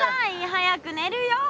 早くねるよ！